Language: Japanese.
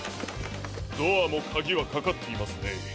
ドアもカギはかかっていますね。